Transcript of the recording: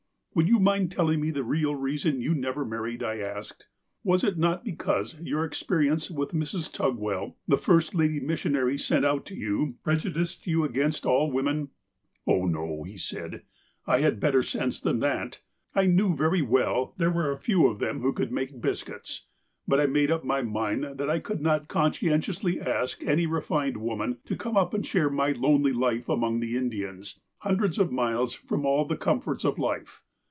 " Would you mind telling me the real reason you never married 1 " I asked. '' Was it not because your experi ence with Mrs. Tugwell, the first lady missionary sent out to you, prejudiced you against all women 1 "" Oh, no," he said, " I had better sense than that. I knew very well there were a few of them who could make biscuits. But I made up my mind that I could not con scientiously ask any refined woman to come up and share my lonely life among the Indians, hundreds of miles from all the comforts of life.